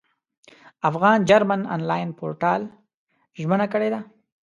افغان جرمن انلاین پورتال ژمنه کړې ده.